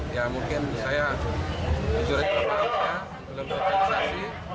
ya mungkin saya jurid perbaikannya belum berfaksasi